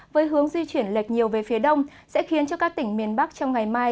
với hướng di chuyển lệch nhiều về phía đông sẽ khiến cho các tỉnh miền bắc trong ngày mai